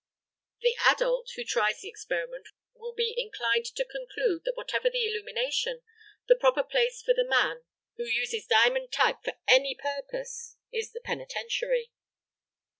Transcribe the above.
The adult who tries the experiment will be inclined to conclude that whatever the illumination, the proper place for the man who uses diamond type for any purpose is the penitentiary.